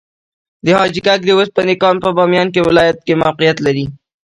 د حاجي ګک د وسپنې کان په بامیان ولایت کې موقعیت لري.